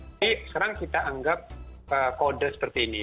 jadi sekarang kita anggap kode seperti ini